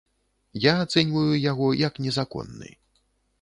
Я ацэньваю яго як незаконны.